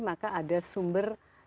maka ada sumbernya yang sangat banyak